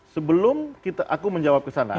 sebelum aku menjawab kesana